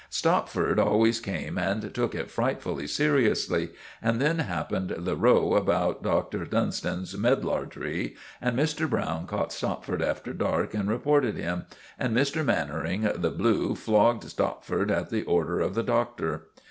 Stopford always came and took it frightfully seriously; and then happened the row about Dr. Dunstan's medlar tree, and Mr. Browne caught Stopford after dark and reported him, and Mr. Mannering, the 'blue,' flogged Stopford at the order of the Doctor.